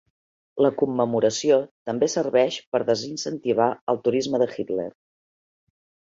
La commemoració també serveix per desincentivar el "turisme de Hitler".